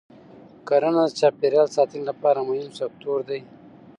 کرنه د چاپېریال د ساتنې لپاره مهم سکتور دی.